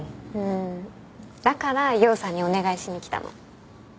うんだからヨウさんにお願いしに来たの。